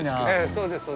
そうです。